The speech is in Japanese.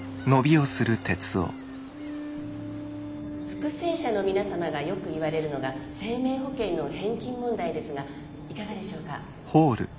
復生者の皆様がよく言われるのが生命保険の返金問題ですがいかがでしょうか？